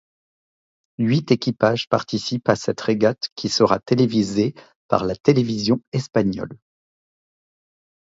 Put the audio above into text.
Huit équipages participent à cette régate qui sera télévisée par la Télévision espagnole.